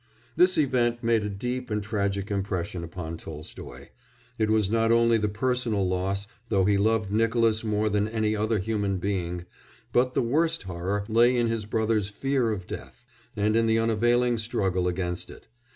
This event made a deep and tragic impression upon Tolstoy: it was not only the personal loss, though he loved Nicolas more than any other human being, but the worst horror lay in his brother's fear of death, and in the unavailing struggle against it.